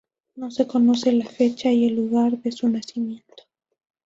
No se conoce la fecha y el lugar de su nacimiento.